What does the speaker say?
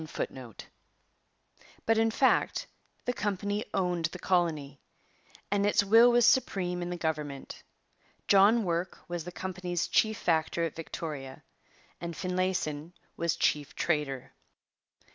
But, in fact, the company owned the colony, and its will was supreme in the government. John Work was the company's chief factor at Victoria and Finlayson was chief trader.